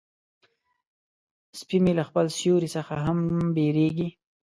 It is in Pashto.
سپي مې له خپل سیوري څخه هم بیریږي.